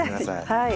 はい。